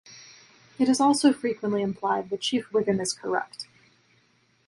It is also frequently implied that Chief Wiggum is corrupt.